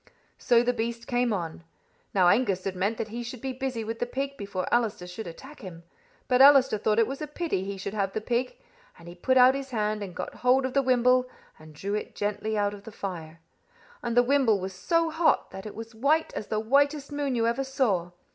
So the beast came on. Now Angus had meant that he should be busy with the pig before Allister should attack him; but Allister thought it was a pity he should have the pig, and he put out his hand and got hold of the wimble, and drew it gently out of the fire. And the wimble was so hot that it was as white as the whitest moon you ever saw.